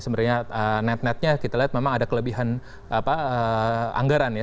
sebenarnya net netnya kita lihat memang ada kelebihan anggaran ya